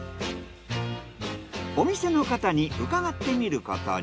お店の方に伺ってみることに。